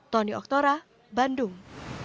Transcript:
tony oktora bandung